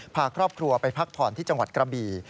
พาครอบครัวไปพักผ่อนที่จังหวัดกระบี่